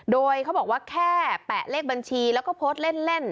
โดยเขาบอกว่าแค่แปะเลขบัญชีแล้วก็โพสต์เล่น